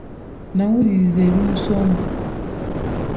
Nnawulirizza ebimusoomooza.